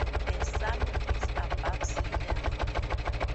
The summit is above sea level.